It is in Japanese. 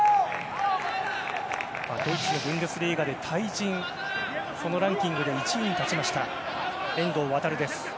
ブンデスリーガで対人ランキングで１位に立ちました遠藤航です。